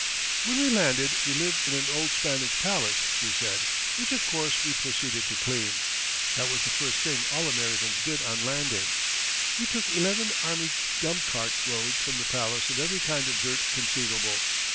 "When we landed we lived in an old Spanish palace," she said, "which of course we proceeded to clean. That was the first thing all Americans did on landing. We took eleven army dump cart loads from the palace of every kind of dirt conceivable.